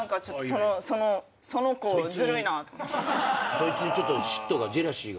そいつにちょっと嫉妬がジェラシーが。